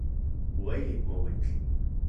Ueyi kuauitl.